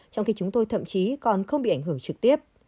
trong khi chúng tôi thậm chí còn không bị ảnh hưởng trực tiếp